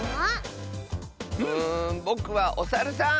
うんぼくはおサルさん！